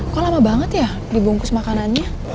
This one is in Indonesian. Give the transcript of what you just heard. kok lama banget ya dibungkus makanannya